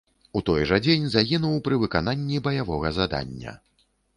У той жа дзень загінуў пры выкананні баявога задання.